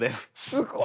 すごいな！